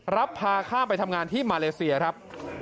รับพาข้ามไปทำงานที่มาเลเซียครับ